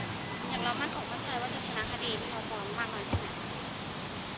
อยากร้องมั่นของเมื่อเคยว่าศึกษณะคดีเราฟ้องมากมายที่ไหน